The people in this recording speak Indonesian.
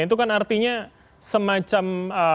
itu kan artinya semacam